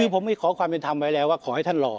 คือผมขอความเป็นธรรมไว้แล้วว่าขอให้ท่านรอ